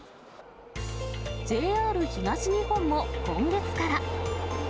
ＪＲ東日本も今月から。